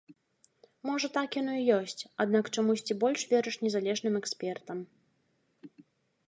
Можа, так яно і ёсць, аднак чамусьці больш верыш незалежным экспертам.